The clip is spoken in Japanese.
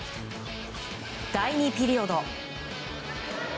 第２ピリオド。